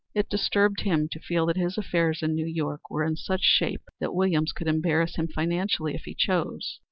It disturbed him to feel that his affairs in New York were in such shape that Williams could embarrass him financially if he chose.